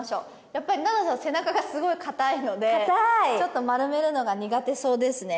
やっぱり奈々さん背中がすごい硬いのでちょっと丸めるのが苦手そうですね